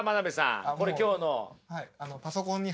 これ今日の。